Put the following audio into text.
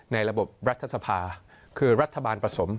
ในระบบรัฐสภาคือรัฐบาลผสม